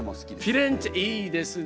フィレンツェいいですね。